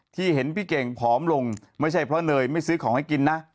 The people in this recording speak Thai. ที่เห็นพี่เก่งผอมลงไม่ใช่เพราะเนยไม่ซื้อของให้กินนะ